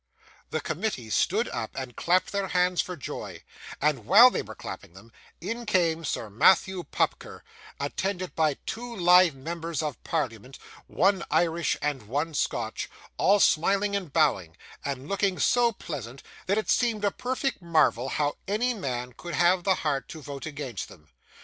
The committee stood up and clapped their hands for joy, and while they were clapping them, in came Sir Matthew Pupker, attended by two live members of Parliament, one Irish and one Scotch, all smiling and bowing, and looking so pleasant that it seemed a perfect marvel how any man could have the heart to vote against them.